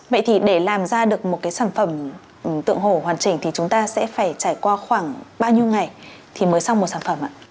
vậy thì để làm ra được một cái sản phẩm tượng hồ hoàn chỉnh thì chúng ta sẽ phải trải qua khoảng bao nhiêu ngày thì mới xong một sản phẩm ạ